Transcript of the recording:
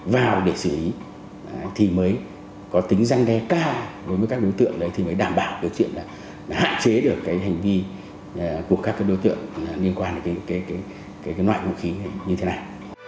vào để xử lý thì mới có tính răng đe cao đối với các đối tượng đấy thì mới đảm bảo được chuyện là hạn chế được cái hành vi của các đối tượng liên quan đến loại vũ khí như thế này